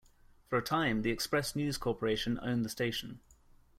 For a time the Express News Corporation owned the station.